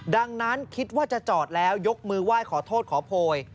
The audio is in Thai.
ดังนั้นคิดว่าจะจอดแล้วยกมือไหว้ขอโทษขอโพย